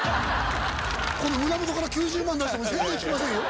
この胸元から９０万出しても、全然引きませんよ。